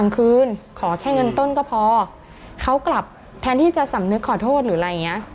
เขากลับแทนที่จะสำนึกขอโทษหรืออะไรอย่างนี้